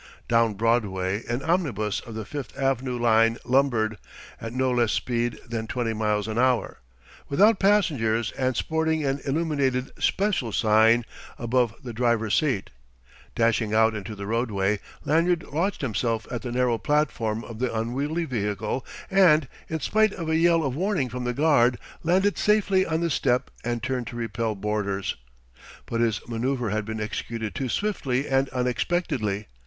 Down Broadway an omnibus of the Fifth Avenue line lumbered, at no less speed than twenty miles an hour, without passengers and sporting an illuminated "Special" sign above the driver's seat. Dashing out into the roadway, Lanyard launched himself at the narrow platform of the unwieldy vehicle and, in spite of a yell of warning from the guard, landed safely on the step and turned to repel boarders. But his manoeuvre had been executed too swiftly and unexpectedly.